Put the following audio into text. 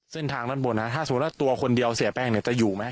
เส้นทางด้านบนนะถ้าสมมุติว่าตัวคนเดียวเสียแป้งเนี่ยจะอยู่ไหม